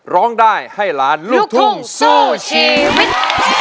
ร้องได้ให้ล้านลูกทุ่งสู้ชีวิต